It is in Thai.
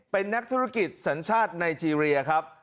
เป็นนักธุรกิจสัญชาติไนเจรียครับ